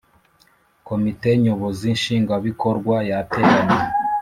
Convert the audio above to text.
Komite Nyobozi Nshingwabikorwa yateranye